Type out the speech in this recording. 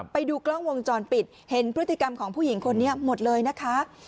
ไปดูกล้องวงจรปิดเห็นพฤติกรรมของผู้หญิงคนนี้หมดเลยนะคะ